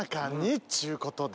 っちゅうことで。